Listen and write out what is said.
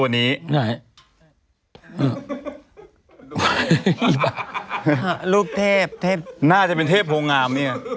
น่าเป็นเทพโพงงาม